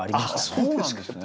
そうなんですね。